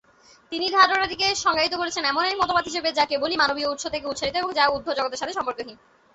তিনি ধারণাটিকে সংজ্ঞায়িত করেছেন এমন এক মতবাদ হিসেবে ‘যা কেবলই মানবীয় উৎস থেকে উৎসারিত এবং যা ঊর্ধ্ব জগতের সাথে সম্পর্কহীন’।